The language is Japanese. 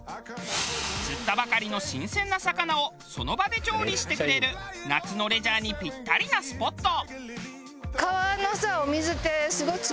釣ったばかりの新鮮な魚をその場で調理してくれる夏のレジャーにピッタリなスポット。